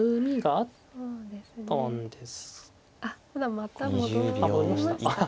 あっ戻りました。